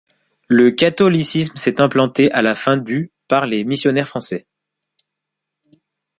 Le catholicisme s'est implanté à la fin du par les missionnaires français.